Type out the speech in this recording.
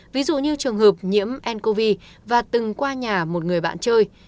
ví dụ như trường hợp nhiễm ncov và từng qua nhà một người bạn chơi